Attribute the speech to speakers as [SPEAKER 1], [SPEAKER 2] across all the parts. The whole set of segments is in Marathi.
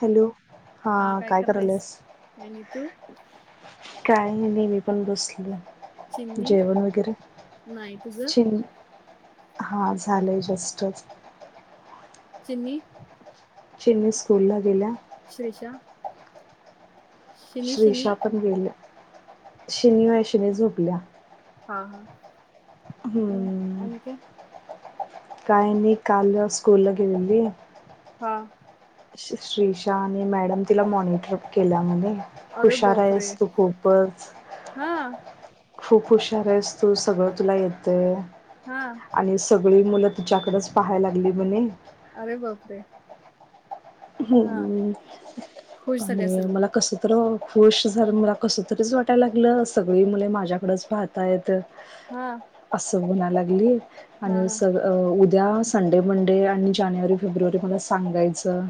[SPEAKER 1] हॅलो हा काय कराल्यास?
[SPEAKER 2] काय नाही तू
[SPEAKER 1] हो मी पण बसलोयं
[SPEAKER 2] चिन्नी
[SPEAKER 1] जेवण वगैरे
[SPEAKER 2] नाही तुझं
[SPEAKER 1] हा झालंय जस्टचं.
[SPEAKER 2] चिनी.
[SPEAKER 1] चिनी स्कूल ला गेल्या.
[SPEAKER 2] श्रीशा.
[SPEAKER 1] श्रीशा पण गेले. शिनी वय शिनी झोपल्या.
[SPEAKER 2] हा, हा. म
[SPEAKER 1] हम्म.
[SPEAKER 2] आणि काय
[SPEAKER 1] काय नाही काल स्कूल ला गेलेली
[SPEAKER 2] हा.
[SPEAKER 1] श्रीशा आणि मॅडम तिला मॉनिटर केल्या म्हणे.
[SPEAKER 2] अरे
[SPEAKER 1] हुशार
[SPEAKER 2] बापरे
[SPEAKER 1] आहेस तू खूपच
[SPEAKER 2] हा
[SPEAKER 1] खूप हुशार आहेस तू सगळं तुला येतेयं.
[SPEAKER 2] हा.
[SPEAKER 1] सगळी मुलं तिच्याकडच पहाय लागली म्हणे.
[SPEAKER 2] अरे बापरे. हा
[SPEAKER 1] ह्
[SPEAKER 2] खुश झाले
[SPEAKER 1] आणि
[SPEAKER 2] असेल मग
[SPEAKER 1] मला कस तर खुश झालं मला कसं तरीच वाटायला लागलं सगळी मुले माझ्याकडच पाहतायत.
[SPEAKER 2] हा.
[SPEAKER 1] म्हणा लागली.
[SPEAKER 2] हा
[SPEAKER 1] आणि स उ उद्या संडे मंडे आणि जानेवारी फेब्रुवारी मला सांगायचं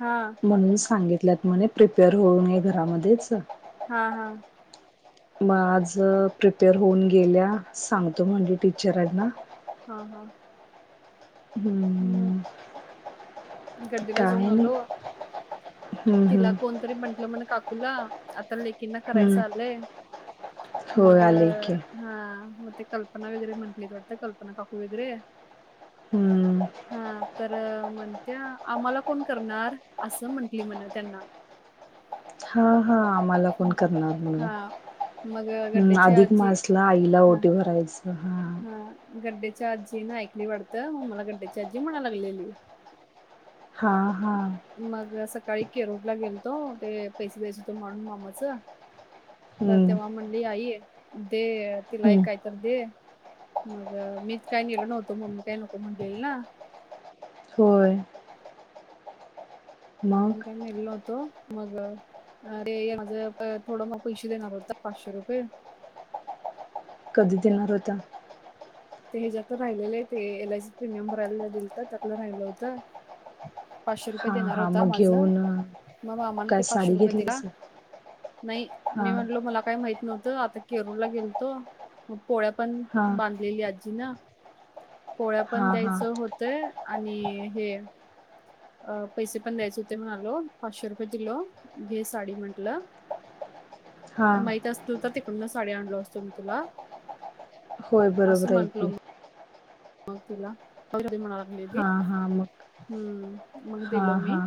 [SPEAKER 2] हा
[SPEAKER 1] म्हणून सांगित ल्यात म्हणे. प्रिपेअर होऊ नये घरामध्येच.
[SPEAKER 2] हा, हा.
[SPEAKER 1] मग आज प्रिपेअर होऊन गेल्या सांगतो म्हणजे टीचरांना.
[SPEAKER 2] हा, हा. मग
[SPEAKER 1] हम्म
[SPEAKER 2] गड्डीला
[SPEAKER 1] काय
[SPEAKER 2] जाऊन
[SPEAKER 1] नाही
[SPEAKER 2] आलो
[SPEAKER 1] हम्म
[SPEAKER 2] तिला
[SPEAKER 1] हम्म
[SPEAKER 2] कोणतरी म्हंटलं म्हण काक ुला आता लेक किना कराय
[SPEAKER 1] हम्म
[SPEAKER 2] चालंय
[SPEAKER 1] होय
[SPEAKER 2] मग
[SPEAKER 1] आले की
[SPEAKER 2] हा. ते कल्पना वगैरे म्हंटली त वाटत कल्पना काकू वगैरे.
[SPEAKER 1] हम्म.
[SPEAKER 2] हा तर म्हणत्या आम्हाला कोण करणार असं म्हंटली म्हण त्यांना.
[SPEAKER 1] हा हा आम्हाला कोण करणार
[SPEAKER 2] हा मग
[SPEAKER 1] म्हण
[SPEAKER 2] गड्ड्याची
[SPEAKER 1] अधिक
[SPEAKER 2] आजी
[SPEAKER 1] मासला आईला
[SPEAKER 2] हा
[SPEAKER 1] ओटी भरायच [unintelligible]
[SPEAKER 2] हा गड्डेच्या आजी न ऐकली वाटतं मग मला गड्डे्याची आजी म्हणा लागलेली.
[SPEAKER 1] हा हा
[SPEAKER 2] मग सकाळी केरोळला गेल तो ते पैसे द्यायच होत म्हणून मामाचं तर
[SPEAKER 1] हम्म
[SPEAKER 2] तेव्हा मंडली आई हम्म. ते तिला
[SPEAKER 1] हम्म
[SPEAKER 2] एक कायतर दे. मग मीच काही नेलो नव्हतो मम्मी काही नको म्हंटलेली ना.
[SPEAKER 1] होय मग
[SPEAKER 2] अवन काय नेल्लोत तो मग ते माझ थोडं मग पैसे देणार होत पाचशे रुपये
[SPEAKER 1] कधी देणार होता?
[SPEAKER 2] ते ह्याच्यातलं राहिलेले ये ते एल आय सी प्रीमियम भरायला दिलतं त्यातलं राहिलं होत पाचशे रुपये
[SPEAKER 1] हा
[SPEAKER 2] देणार
[SPEAKER 1] हा
[SPEAKER 2] होता
[SPEAKER 1] मग
[SPEAKER 2] माझं
[SPEAKER 1] घेऊन अ,
[SPEAKER 2] मग मामान
[SPEAKER 1] काय
[SPEAKER 2] ते पाचशे
[SPEAKER 1] साडी
[SPEAKER 2] रुपये दिला
[SPEAKER 1] घेतलीस
[SPEAKER 2] नाही
[SPEAKER 1] हा
[SPEAKER 2] मी म्हटलो मला काय माहित नव्हतं. त आता केरूळला गेलतो. पोळ्या पण
[SPEAKER 1] हा
[SPEAKER 2] बांधलेल्यात. ना पोळ्या
[SPEAKER 1] हा
[SPEAKER 2] पण
[SPEAKER 1] हा
[SPEAKER 2] द्यायचं होतंय आणि हे अ पैसे पण द्यायचे हुतय म्हणालो पाचशे रुपये दिलो, घे साडी म्हटलं
[SPEAKER 1] हा
[SPEAKER 2] माहित असतल तर तिकडूनच साडी आणलो असतो मी तुला
[SPEAKER 1] होय
[SPEAKER 2] असं
[SPEAKER 1] बरोबर
[SPEAKER 2] म्हंटलो
[SPEAKER 1] आहे. [unintelligible]
[SPEAKER 2] मग तिला [unintelligible] म्हणालात. लेझी,
[SPEAKER 1] हा हा मग
[SPEAKER 2] हम्म मग
[SPEAKER 1] हा
[SPEAKER 2] दिलो मी,
[SPEAKER 1] हा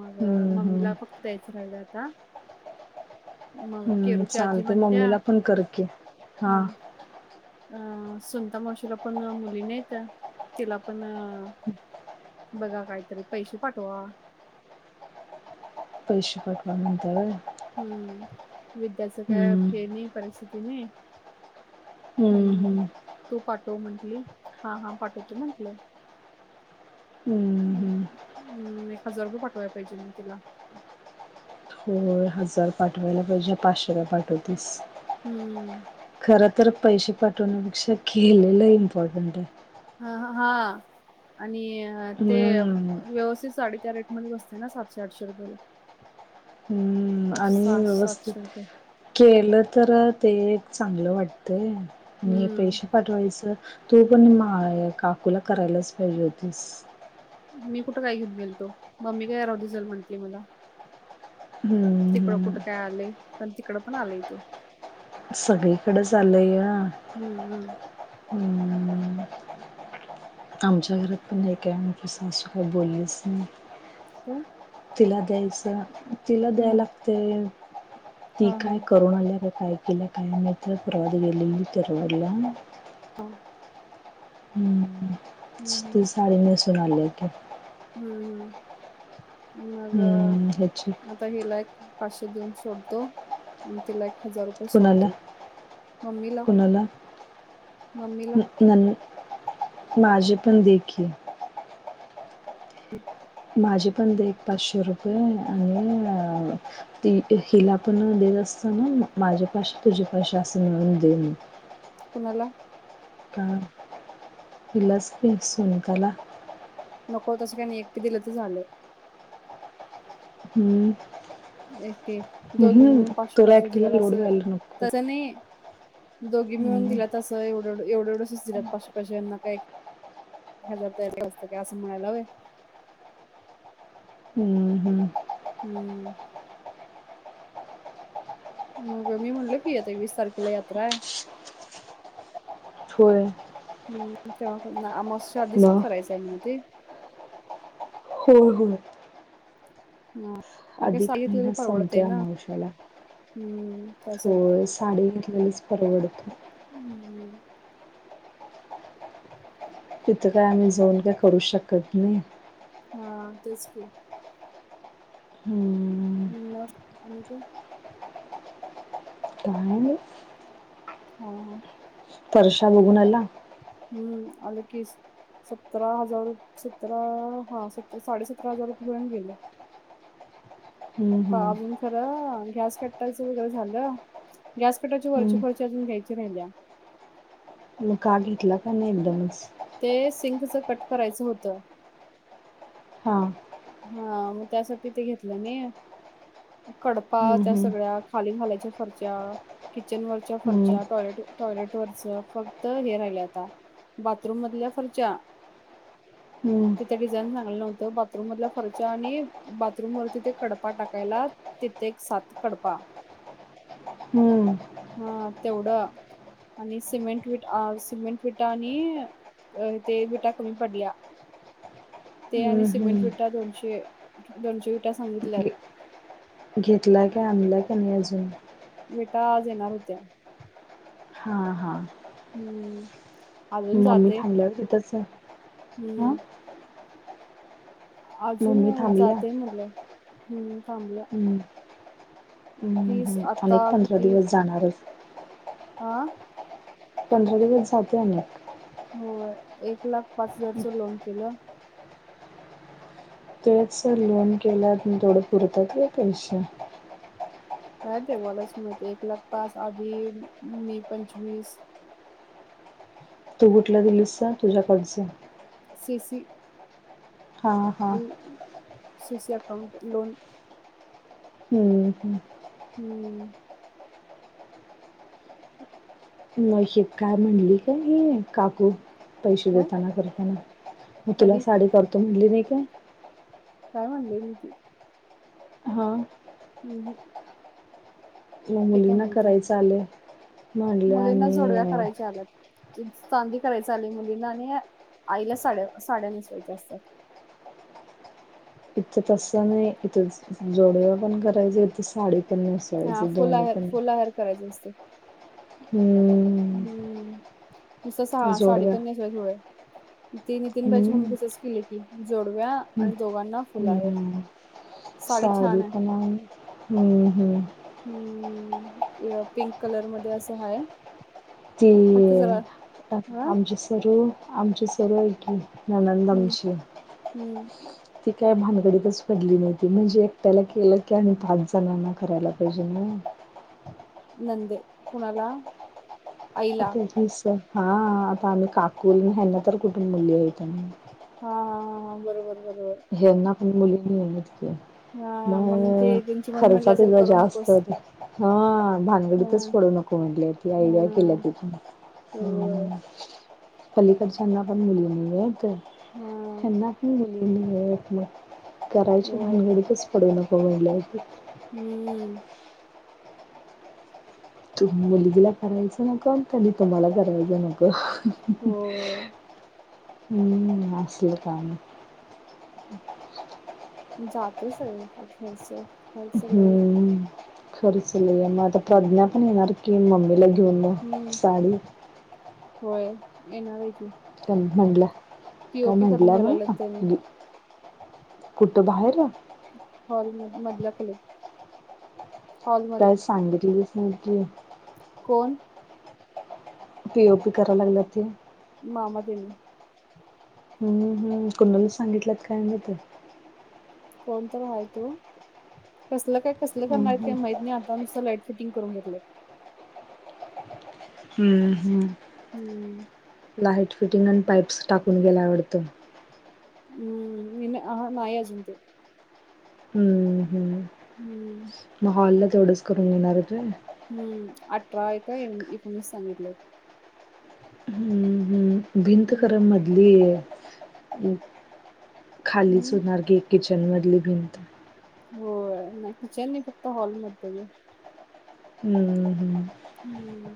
[SPEAKER 2] मग
[SPEAKER 1] हम्म हम्म
[SPEAKER 2] मम्मीला फक्त द्यायच राहिलंय आ का?
[SPEAKER 1] हम्म चालते मम्मीला पण करकी हा
[SPEAKER 2] अ सुनता मावशीला पण मुली नईत तिला पण
[SPEAKER 1] हू.
[SPEAKER 2] बघा कायतरी पैसे पाठवा.
[SPEAKER 1] पैशे पाठवा म्हणत्या व्हय?
[SPEAKER 2] हम्म. विद्याच काय
[SPEAKER 1] हम्म
[SPEAKER 2] [unintelligible] परिसी ती नई. हम्म तू पाट तो म्हंटली, हा हा पाठवतो म्हंटलं [unintelligible] हम्म एक हजार रुपय पाठवाय पाहिजे मग तिला
[SPEAKER 1] होय हजार पाठवायला पाहिजे, पाचशे काय पाठवतीस.
[SPEAKER 2] हम्म.
[SPEAKER 1] खर तर पैसे पाठवण्यापेक्षा केेलेलं इम्पॉर्टंट आय.
[SPEAKER 2] अह हा आ णि ते
[SPEAKER 1] हम्म
[SPEAKER 2] व्यवस्थित साडी त्या रेट मध्ये बसते ना सातशे आठशे रुपयला,
[SPEAKER 1] हम्म
[SPEAKER 2] पास
[SPEAKER 1] आणि व्यवस्थित केल तर ते एक चांगलं वाटतंय. आणि
[SPEAKER 2] हम्म
[SPEAKER 1] पैशे पाठवायचं. तू पण मा य काकूला करायलाच पाहिजे होतीस.
[SPEAKER 2] मी कुठं काय घिऊन गेलतो, मम्मी काय राहुदे चल म्हंटली मला
[SPEAKER 1] हम्म
[SPEAKER 2] तिकडं
[SPEAKER 1] हम्म
[SPEAKER 2] कुठं काय आलय पण ती कड पण आलय ते
[SPEAKER 1] सगळीकडेच आलंय ग
[SPEAKER 2] हम्म हम्म.
[SPEAKER 1] तन नंबर आमच्या घरात पण काय म्हणपस असं काय बोललेच नाही
[SPEAKER 2] हम
[SPEAKER 1] तिला द्यायचं तिला द्याय लागते ती
[SPEAKER 2] हा हा.
[SPEAKER 1] काय करून आल्या का काय कला कायमचा पुरा येलेली तरवला
[SPEAKER 2] हो
[SPEAKER 1] हम्म हम्
[SPEAKER 2] हम्म.
[SPEAKER 1] ती साडीने जनाले क
[SPEAKER 2] हम्म हम् मग
[SPEAKER 1] हम्म ह्याची
[SPEAKER 2] आता हेलायक पाशे देऊन सोडतो आणि तिला हजार रुपये
[SPEAKER 1] कुणाला
[SPEAKER 2] सोडतो मम्मीला
[SPEAKER 1] कुणाला
[SPEAKER 2] मम्मीला
[SPEAKER 1] न माझे पण देखी माझी पण देख पाचशो रुपये आणि अ ती हिला पण देत असताना माझ्या पा तुझ्या पाशी असं मिळून दे म
[SPEAKER 2] कोणाला
[SPEAKER 1] हा तलाच सुनकाला [inaudible]
[SPEAKER 2] नको तसं काय एकटे दिलं तर झालं
[SPEAKER 1] हम्म
[SPEAKER 2] एक दोघी
[SPEAKER 1] हं,
[SPEAKER 2] मिळून पाचशे
[SPEAKER 1] तुला
[SPEAKER 2] पाशे
[SPEAKER 1] एकटीला
[SPEAKER 2] दिल्यात
[SPEAKER 1] लोड
[SPEAKER 2] असं
[SPEAKER 1] घ्यायला नको.
[SPEAKER 2] त्या नाही दोघी मिळून
[SPEAKER 1] हं,
[SPEAKER 2] दिला तसं एवढं एवढं एवढ सुच दिात पाचशे पैशना काही हजार तयारीत काय असं म्हणायला हव
[SPEAKER 1] हं, हं.
[SPEAKER 2] हम्म मग मी म्हटल की यता वीस तारखेला यात्रा आहे
[SPEAKER 1] होय,
[SPEAKER 2] हम्म तेव्हा आम आधीच
[SPEAKER 1] मग
[SPEAKER 2] करायचंय म्हण ते
[SPEAKER 1] हो हो
[SPEAKER 2] हा मग हे
[SPEAKER 1] अधिक
[SPEAKER 2] सांगितलेलं
[SPEAKER 1] मेनात संपतो
[SPEAKER 2] परवडतय
[SPEAKER 1] या
[SPEAKER 2] ना हम्म
[SPEAKER 1] मावश्यालाो
[SPEAKER 2] त्यासाठी
[SPEAKER 1] साडे वस परवडत
[SPEAKER 2] हम्म
[SPEAKER 1] तिथं काय आम्ही जाऊन काय करू शकत नाही
[SPEAKER 2] हा तेच क
[SPEAKER 1] हं,
[SPEAKER 2] ह् बस् अनेक
[SPEAKER 1] काय नाही.
[SPEAKER 2] ह ह
[SPEAKER 1] वर्षा बघूनला
[SPEAKER 2] हम्म आलं की सतरा हजार सतरा हा सत साडेसतरा हजार रुपये पर्यंत गेलं
[SPEAKER 1] हं,
[SPEAKER 2] प
[SPEAKER 1] हं,
[SPEAKER 2] अजून खरं गॅस कटायचं वगैरे झालं गॅस कटायची वरची
[SPEAKER 1] हं.
[SPEAKER 2] खर्ची अजून घ्यायची राहिल्या
[SPEAKER 1] का घेतला प नाहीडनस
[SPEAKER 2] ते सिंकच कट करायचं होत
[SPEAKER 1] हा
[SPEAKER 2] हा मग त्यासाठी ते घेतलं नाही कडपा
[SPEAKER 1] हं,
[SPEAKER 2] त्या
[SPEAKER 1] हं,
[SPEAKER 2] सगळ्या खाली घालाय फर्चा किती किचन वरच्या
[SPEAKER 1] हं,
[SPEAKER 2] फर्च्या टॉयलेट टॉयलेट वरच फक्त हे राहिल आता बाथरूम मधल्या फरच्या
[SPEAKER 1] हं,
[SPEAKER 2] तिथं डिझाईन चांगलं नव्हतं बाथरूम मध खर्च्या आणि बाथरूम वरतीिथे कडपा टाकायला तिथे एक सात कडपा
[SPEAKER 1] हं,
[SPEAKER 2] हा तेवढं आणि सिमेंट विटा सिमेंट विटा आणि ते विटा कमी पडल्या ते आणि
[SPEAKER 1] हं,
[SPEAKER 2] सिमेंट
[SPEAKER 1] हं.
[SPEAKER 2] विट दोनशे दोनशे विटा सांगितल्यात
[SPEAKER 1] घेतला का आणलाय का नाही अजून
[SPEAKER 2] बेटा आज येणार होत्या
[SPEAKER 1] हा हा
[SPEAKER 2] हम्म अजून
[SPEAKER 1] मम्मी
[SPEAKER 2] जाते
[SPEAKER 1] थांबल्यावर तिथंच आहे हं
[SPEAKER 2] हम्म अजून
[SPEAKER 1] थांबल्या
[SPEAKER 2] जातय म्हलं हम्म सांबला
[SPEAKER 1] हम् अनेक पंधरा दिवस जाणारच
[SPEAKER 2] आा
[SPEAKER 1] पंधरा दिवस जातो अम
[SPEAKER 2] हो एक लाख पाच हजारच लोन केलं
[SPEAKER 1] तच सर लोन केला म थोड पुरतात का पैसे
[SPEAKER 2] काय ते बलाच माित एक लग पास आधी मी पंचवीस
[SPEAKER 1] तू उुठला दिलीस तुझ्याकडच
[SPEAKER 2] शस
[SPEAKER 1] हा हा
[SPEAKER 2] ससी अकाौंट लोन [unintelligible]
[SPEAKER 1] हम्म -हम्
[SPEAKER 2] हम्म
[SPEAKER 1] मशीेत काय म्हणली का काकू पैसे
[SPEAKER 2] काय
[SPEAKER 1] देताना करताना मग तिला
[SPEAKER 2] कधी
[SPEAKER 1] साडी करत तु म्हणली नाही काय?
[SPEAKER 2] काय म्हणले नी?
[SPEAKER 1] हा
[SPEAKER 2] हम्
[SPEAKER 1] कि मुलींना करायचं आलंय? मांडले
[SPEAKER 2] मुलींना जोडव्या
[SPEAKER 1] आणि
[SPEAKER 2] करायच्या चांदी करायच आली मुलींना आणि आईला साडया नेसवायच्या असतात.
[SPEAKER 1] इथं तस नाही इथ जोडवा पण करायच इथे साडी पण
[SPEAKER 2] हा
[SPEAKER 1] नेसायची
[SPEAKER 2] फुल
[SPEAKER 1] दोन्ही
[SPEAKER 2] आहेर
[SPEAKER 1] पण
[SPEAKER 2] फुल आहेर करायच असते.
[SPEAKER 1] हम्म
[SPEAKER 2] हम्म दुस सहा
[SPEAKER 1] जोडव्या
[SPEAKER 2] साडेपन्नास वेळेस हो. ती नितीनबाईची
[SPEAKER 1] हम्म
[SPEAKER 2] मुलगी तेच केली की जोडव्या
[SPEAKER 1] हम्म
[SPEAKER 2] आणि दोघांना फुला आहेर,
[SPEAKER 1] हम्म
[SPEAKER 2] साडी छान आहे.
[SPEAKER 1] पण आणि हम्म हम्म
[SPEAKER 2] हम्म पिंक कलर मध्ये असं आहे.
[SPEAKER 1] ती आमचे सरू आमची चलाठ [inaudible] नंदान
[SPEAKER 2] हम्म
[SPEAKER 1] ची
[SPEAKER 2] हम्म
[SPEAKER 1] त्या भानगडीतच पडली नाही ती म्हणजे एकट्याला केलं की आणि पाच जणांना करायला पाहिजे ना.
[SPEAKER 2] नंदे कुणाला?
[SPEAKER 1] अ
[SPEAKER 2] आईला
[SPEAKER 1] त [inaudible] हा आता आम्ही काकूल ह्या ना तर कुठून मुलली आहेत.
[SPEAKER 2] हा हा हा हा बरोबर. बरोबर.
[SPEAKER 1] ह्यांना मुली नाही ये.
[SPEAKER 2] हा म्हणून
[SPEAKER 1] मग
[SPEAKER 2] ते त्यांची मम्मी
[SPEAKER 1] खर्च
[SPEAKER 2] म्हटली असेल
[SPEAKER 1] तचा
[SPEAKER 2] करू
[SPEAKER 1] जास्त
[SPEAKER 2] नकोस
[SPEAKER 1] हा
[SPEAKER 2] हा
[SPEAKER 1] भानगडीतच पडू नको म्हटली ती आयडिया केल्या
[SPEAKER 2] हा होय
[SPEAKER 1] तिथून पलीकडच्यांना पण मुली नाही ये तर
[SPEAKER 2] हा
[SPEAKER 1] त्यांना पण मुली हा आपल नाही. करायची
[SPEAKER 2] होय
[SPEAKER 1] भानगडीिकच पडू नको. काय झाले कीं
[SPEAKER 2] हम्म.
[SPEAKER 1] तू मुलगीला करायचं नको आणि कुणी कुणाला करायचे नकॊ.
[SPEAKER 2] हो.
[SPEAKER 1] हम्म असलं काम
[SPEAKER 2] जात सर घच
[SPEAKER 1] हम्म. खर्च लय म आता प्रज्ञा पण येणार की मम्मीला घेऊन म
[SPEAKER 2] हम्म
[SPEAKER 1] साडी.
[SPEAKER 2] होय येणार आहे की
[SPEAKER 1] च म्हणलं. काय
[SPEAKER 2] पीओपी करून
[SPEAKER 1] म्हटलं
[SPEAKER 2] घ्यायला लागलेत त्यांनी
[SPEAKER 1] म्हण. कुट बाहेर.
[SPEAKER 2] हॉल म मधला खोलीत. हॉलमध्ये
[SPEAKER 1] काय सांगीतली. माजे
[SPEAKER 2] कोण.
[SPEAKER 1] पीओ पी करा लागल्यात ते.
[SPEAKER 2] मामा तेनी.
[SPEAKER 1] हम्म हम्म कुंडली सांगितल्यात काय माहित
[SPEAKER 2] कोणतर हाय तो कसलं. काय कसलं
[SPEAKER 1] हम्म
[SPEAKER 2] करणार काही
[SPEAKER 1] हम्म
[SPEAKER 2] माहीत नाही आता नुसत लाईट फिटिंग करून घेतलं.
[SPEAKER 1] हम्म हम्म
[SPEAKER 2] हम्म.
[SPEAKER 1] हाट फिटिंग अ पाइप्स टाकून घ्यायला आवडतं
[SPEAKER 2] हम्म अ नाही अजून ते.
[SPEAKER 1] हम्म. हम्म
[SPEAKER 2] हम्म
[SPEAKER 1] महोलत. तेवढंच करून घेणारेत व्हय.
[SPEAKER 2] हम्म अठरा आहे काय एकोणीस सांगितलंय.
[SPEAKER 1] हम. भीत
[SPEAKER 2] हम्म
[SPEAKER 1] कर मधली. हम्. खालीच
[SPEAKER 2] हम्म
[SPEAKER 1] होणार की घी जन्मली भिनंत
[SPEAKER 2] होय नाई किचन नाही फक्त हॉलमध्येग.
[SPEAKER 1] हम्म हम्
[SPEAKER 2] हम्म.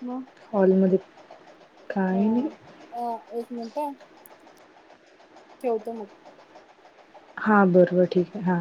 [SPEAKER 2] म.
[SPEAKER 1] हॉल मध्ये.
[SPEAKER 2] हा अ एक मिनट. टेवतो मग.
[SPEAKER 1] हा बरोबर ठीक आहे हा.